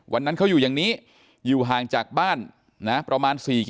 วันนั้นเขาอยู่อย่างนี้อยู่ห่างจากบ้านนะ